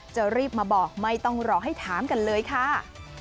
จะรีบมาบอกไม่ต้องรอให้ถามกันเลยค่ะ